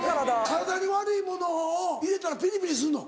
体に悪いものを入れたらピリピリするの？